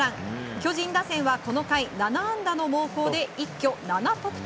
巨人打線はこの回７安打の猛攻で一挙７得点。